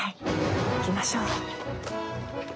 行きましょう。